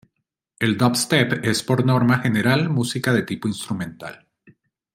El dubstep es por norma general música de tipo instrumental.